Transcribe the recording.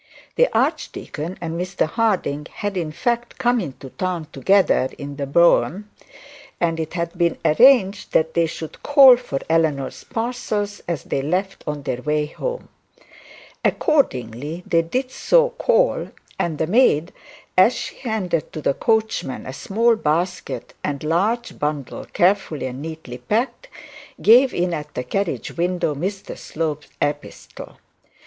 The archdeacon and Mr Harding had in fact come into town together in the brougham, and it had been arranged that they should call for Eleanor's parcels as they left on their way home. Accordingly they did so call, and the maid, as she handed to the coachman a small basket and large bundle carefully and neatly packec, gave in at the carriage window Mr Slope's epistle.